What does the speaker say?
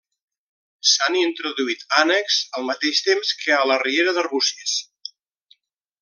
S'han introduït ànecs al mateix temps que a la riera d'Arbúcies.